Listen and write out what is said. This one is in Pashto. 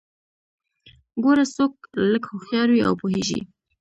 ګوره څوک که لږ هوښيار وي او پوهیږي